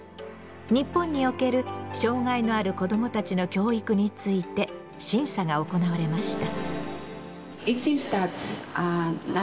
日本における障害のある子どもたちの教育について審査が行われました。